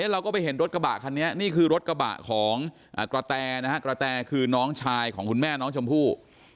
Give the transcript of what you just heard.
เราก็ไปเห็นรถกระบะคันนี้นี่คือรถกระบะของกระแตกระแตกคือน้องชายของคุณแม่น้องชมพู่